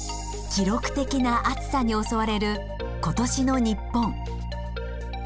記録的な暑さに襲われる今年の日本。